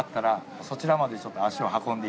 そちらまで。